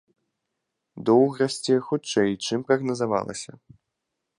Доўг расце хутчэй, чым прагназавалася.